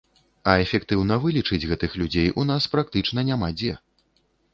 А эфектыўна вылечыць гэтых людзей у нас практычна няма дзе.